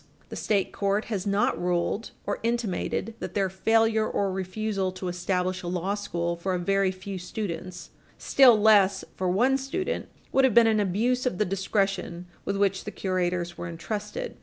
The state court has not ruled or intimated that their failure or refusal to establish a law school for a very few students, still less for one student, would have been an abuse of the discretion with which the curators were entrusted.